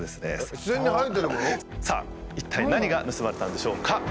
さあ一体何が盗まれたんでしょうか？